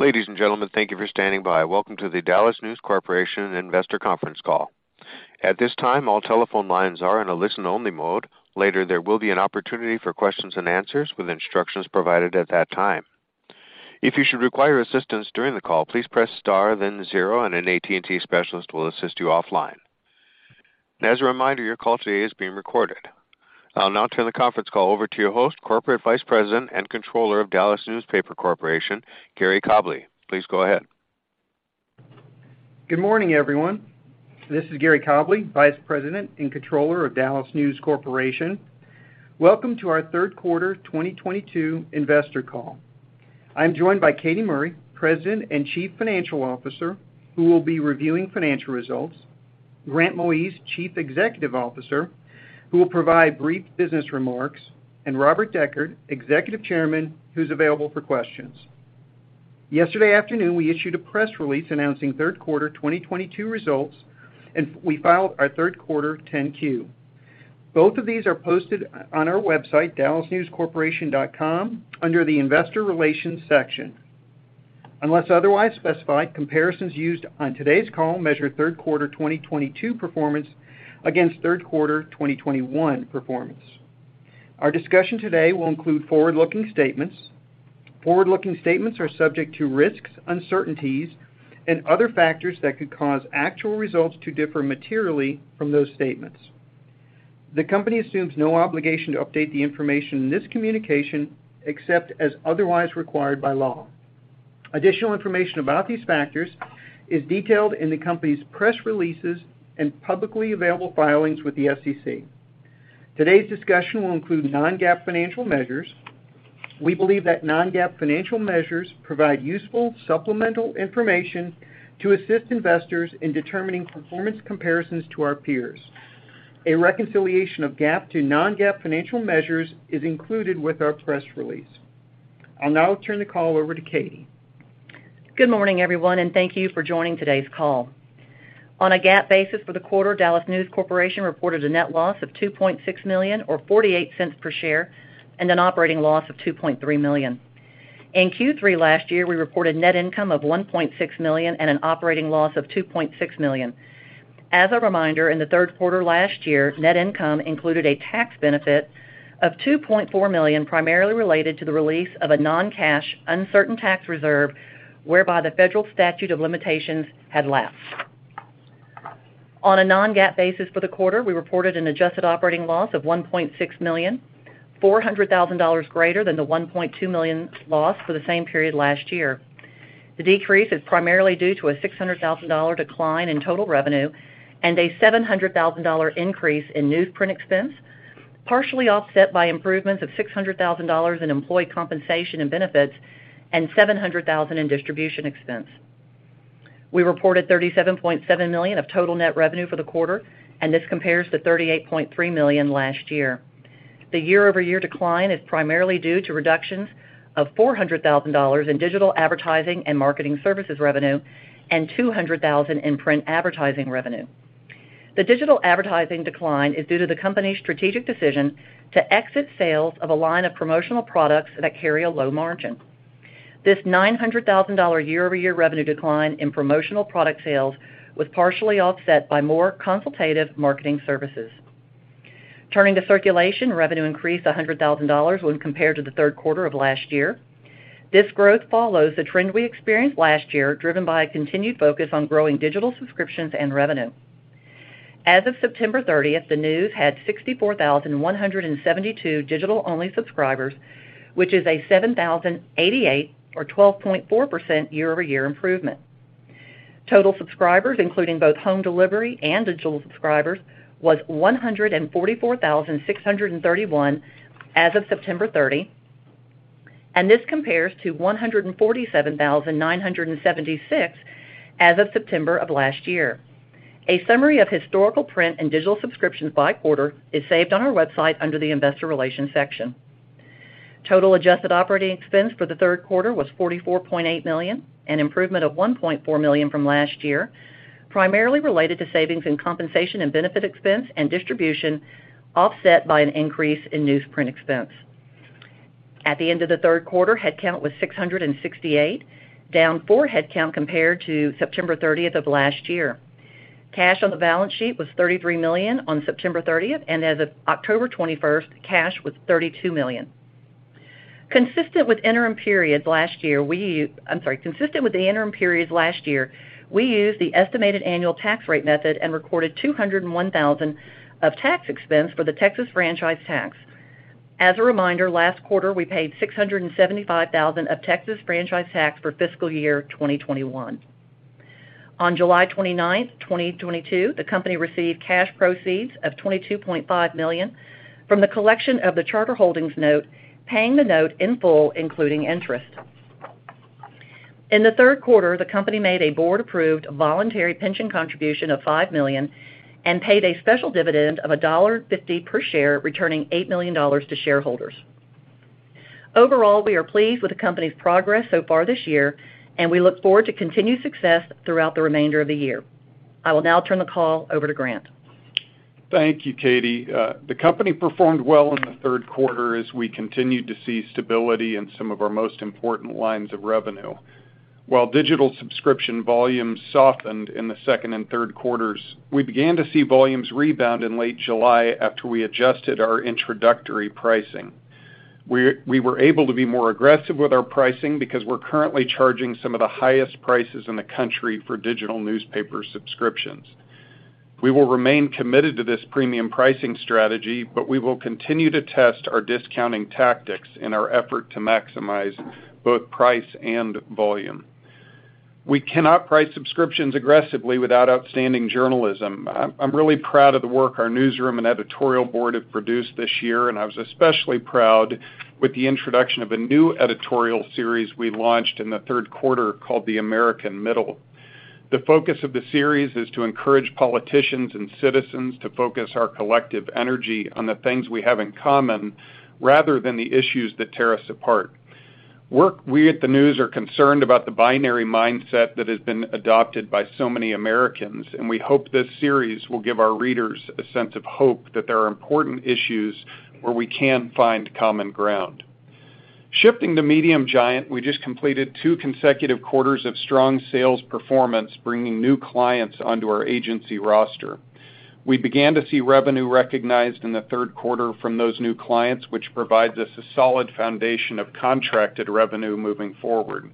Ladies and gentlemen, thank you for standing by. Welcome to the DallasNews Corporation Investor Conference Call. At this time, all telephone lines are in a listen-only mode. Later, there will be an opportunity for Q&A with instructions provided at that time. If you should require assistance during the call, please press Star then zero, and an AT&T specialist will assist you offline. As a reminder, your call today is being recorded. I'll now turn the conference call over to your host, Corporate Vice President and Controller of DallasNews Corporation, Gary Cobleigh. Please go ahead. Good morning, everyone. This is Gary Cobleigh, Vice President and Controller of DallasNews Corporation. Welcome to our Q3 2022 investor call. I'm joined by Katy Murray, President and Chief Financial Officer, who will be reviewing financial results, Grant Moise, Chief Executive Officer, who will provide brief business remarks, and Robert W. Decherd, Executive Chairman, who's available for questions. Yesterday afternoon, we issued a press release announcing Q3 2022 results, and we filed our Q3 10-Q. Both of these are posted on our website, dallasnewscorporation.com, under the Investor Relations section. Unless otherwise specified, comparisons used on today's call measure Q3 2022 performance against Q3 2021 performance. Our discussion today will include forward-looking statements. Forward-looking statements are subject to risks, uncertainties, and other factors that could cause actual results to differ materially from those statements. The company assumes no obligation to update the information in this communication, except as otherwise required by law. Additional information about these factors is detailed in the company's press releases and publicly available filings with the SEC. Today's discussion will include non-GAAP financial measures. We believe that non-GAAP financial measures provide useful supplemental information to assist investors in determining performance comparisons to our peers. A reconciliation of GAAP to non-GAAP financial measures is included with our press release. I'll now turn the call over to Katy. Good morning, everyone, and thank you for joining today's call. On a GAAP basis for the quarter, DallasNews Corporation reported a net loss of $2.6 million or $0.48 per share and an operating loss of $2.3 million. In Q3 last year, we reported net income of $1.6 million and an operating loss of $2.6 million. As a reminder, in the Q3 last year, net income included a tax benefit of $2.4 million, primarily related to the release of a non-cash uncertain tax reserve, whereby the federal statute of limitations had lapsed. On a non-GAAP basis for the quarter, we reported an adjusted operating loss of $1.6 million, $400,000 greater than the $1.2 million loss for the same period last year. The decrease is primarily due to a $600,000 decline in total revenue and a $700,000 increase in newsprint expense, partially offset by improvements of $600,000 in employee compensation and benefits and $700,000 in distribution expense. We reported $37.7 million of total net revenue for the quarter, and this compares to $38.3 million last year. The year-over-year decline is primarily due to reductions of $400,000 in digital advertising and marketing services revenue and $200,000 in print advertising revenue. The digital advertising decline is due to the company's strategic decision to exit sales of a line of promotional products that carry a low margin. This $900,000 year-over-year revenue decline in promotional product sales was partially offset by more consultative marketing services. Turning to circulation, revenue increased $100,000 when compared to the Q3 of last year. This growth follows the trend we experienced last year, driven by a continued focus on growing digital subscriptions and revenue. As of September 30, the news had 64,172 digital-only subscribers, which is a 7,088 or 12.4% year-over-year improvement. Total subscribers, including both home delivery and digital subscribers, was 144,631 as of September 30, and this compares to 147,976 as of September of last year. A summary of historical print and digital subscriptions by quarter is saved on our website under the Investor Relations section. Total adjusted operating expense for the Q3 was $44.8 million, an improvement of $1.4 million from last year, primarily related to savings in compensation and benefit expense and distribution, offset by an increase in newsprint expense. At the end of the Q3, headcount was 668, down four headcount compared to September 13th of last year. Cash on the balance sheet was $33 million on September 30th, and as of October 21st, cash was $32 million. Consistent with the interim periods last year, we used the estimated annual tax rate method and recorded $201,000 of tax expense for the Texas franchise tax. As a reminder, last quarter, we paid $675,000 of Texas franchise tax for fiscal year 2021. On July 29, 2022, the company received cash proceeds of $22.5 million from the collection of the Charter Holdings note, paying the note in full, including interest. In the Q3, the company made a board-approved voluntary pension contribution of $5 million, and paid a special dividend of $1.50 per share, returning $8 million to shareholders. Overall, we are pleased with the company's progress so far this year, and we look forward to continued success throughout the remainder of the year. I will now turn the call over to Grant. Thank you, Katy. The company performed well in the Q3 as we continued to see stability in some of our most important lines of revenue. While digital subscription volumes softened in the Q2 and Q3s, we began to see volumes rebound in late July after we adjusted our introductory pricing. We were able to be more aggressive with our pricing because we're currently charging some of the highest prices in the country for digital newspaper subscriptions. We will remain committed to this premium pricing strategy, but we will continue to test our discounting tactics in our effort to maximize both price and volume. We cannot price subscriptions aggressively without outstanding journalism. I'm really proud of the work our newsroom and editorial board have produced this year, and I was especially proud with the introduction of a new editorial series we launched in the Q3 called The American Middle. The focus of the series is to encourage politicians, and citizens to focus our collective energy on the things we have in common, rather than the issues that tear us apart. We at the News are concerned about the binary mindset that has been adopted by so many Americans, and we hope this series will give our readers a sense of hope that there are important issues where we can find common ground. Shifting to Medium Giant, we just completed two consecutive quarters of strong sales performance, bringing new clients onto our agency roster. We began to see revenue recognized in the Q3 from those new clients, which provides us a solid foundation of contracted revenue moving forward.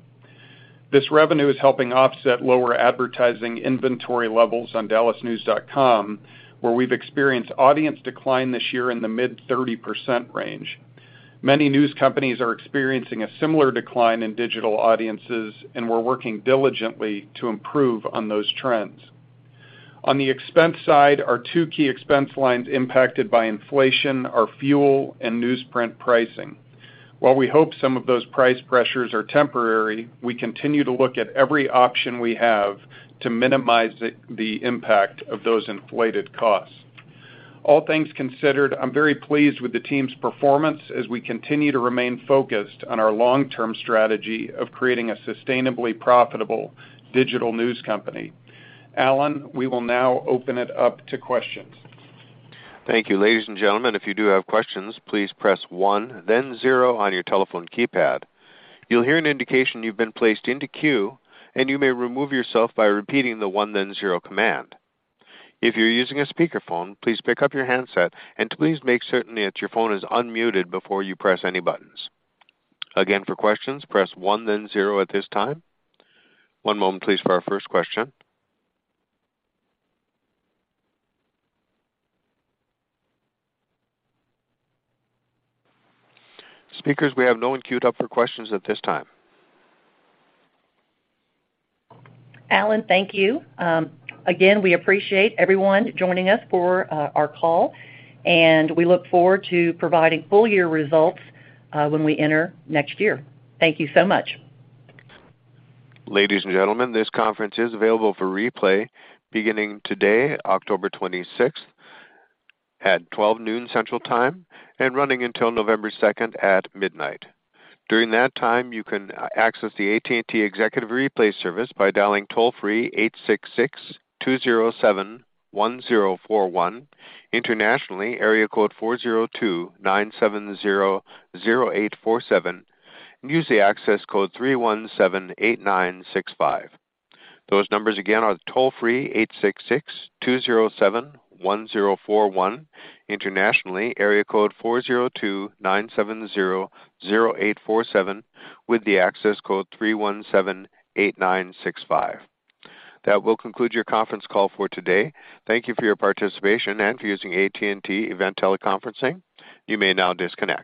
This revenue is helping offset lower advertising inventory levels on dallasnews.com, where we've experienced audience decline this year in the mid 30% range. Many news companies are experiencing a similar decline in digital audiences, and we're working diligently to improve on those trends. On the expense side, our two key expense lines impacted by inflation are fuel and newsprint pricing. While we hope some of those price pressures are temporary, we continue to look at every option we have to minimize the impact of those inflated costs. All things considered, I'm very pleased with the team's performance as we continue to remain focused on our long-term strategy of creating a sustainably profitable digital news company. Alan, we will now open it up to questions. Thank you. Ladies and gentlemen, if you do have questions, please press one then zero on your telephone keypad. You'll hear an indication you've been placed into queue, and you may remove yourself by repeating the one then zero command. If you're using a speakerphone, please pick up your handset and please make certain that your phone is unmuted before you press any buttons. Again, for questions, press one then zero at this time. One moment please for our first question. Speakers, we have no one queued up for questions at this time. Alan, thank you. Again, we appreciate everyone joining us for our call, and we look forward to providing full year results when we enter next year. Thank you so much. Ladies and gentlemen, this conference is available for replay beginning today, October 26th at 12:00 noon Central Time and running until November 2nd at midnight. During that time, you can access the AT&T Executive Replay service by dialing toll-free 866-207-1041. Internationally, area code 402-970-0847, and use the access code 3178965. Those numbers again are toll-free 866-207-1041. Internationally, area code 402-970-0847 with the access code 3178965. That will conclude your conference call for today. Thank you for your participation and for using AT&T Event Teleconferencing. You may now disconnect.